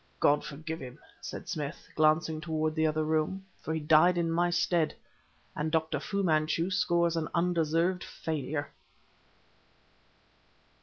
"God forgive him," said Smith, glancing toward the other room, "for he died in my stead! and Dr. Fu Manchu scores an undeserved failure!"